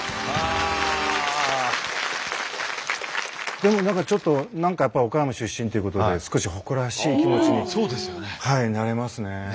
でも何かちょっと何かやっぱ岡山出身っていうことで少し誇らしい気持ちになれますね。